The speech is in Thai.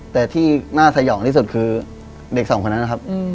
แต่ที่น่าสยองที่สุดคือเด็กสองคนนั้นนะครับ